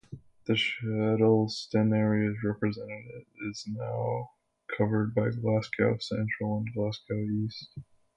The Shettleston area is represented is now covered by Glasgow Central and Glasgow East.